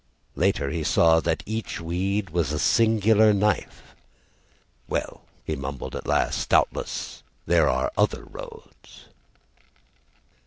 Later he saw that each weed Was a singular knife. "Well," he mumbled at last, "Doubtless there are other roads."